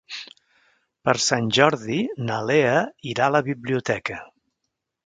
Per Sant Jordi na Lea irà a la biblioteca.